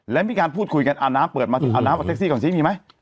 แล้วมีการพูดคุยกันเอาน้ำเปิดมาเอาน้ำเอาเซ็กซี่ก่อนสิมีไหม